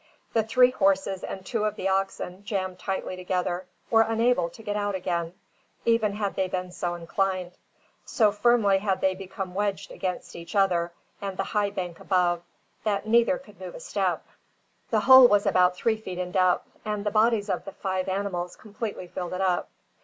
The three horses and two of the oxen, jammed tightly together, were unable to get out again, even had they been so inclined. So firmly had they become wedged against each other and the high bank above, that neither could move a step. The hole was about three feet in depth and the bodies of the five animals completely filled it up.